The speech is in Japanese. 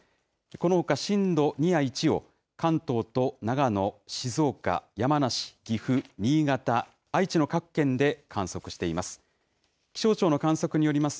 このほか、震度２や１を関東と長野、静岡、山梨、岐阜、新潟、愛知の各県で観測しています。